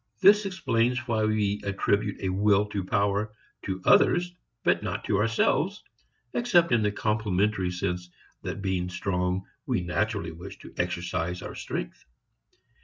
This explains why we attribute a will to power to others but not to ourselves, except in the complimentary sense that being strong we naturally wish to exercise our strength.